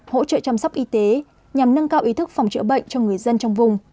hỗ trợ chăm sóc y tế nhằm nâng cao ý thức phòng chữa bệnh cho người dân trong vùng